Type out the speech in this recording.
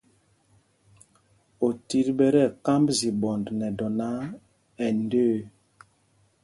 Otit ɓɛ tí ɛkámb ziɓɔnd nɛ dɔ náǎ, ɛ ndəə.